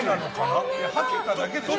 はけただけでしょ。